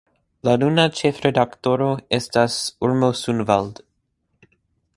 La nuna ĉefredaktoro estas Urmo Soonvald.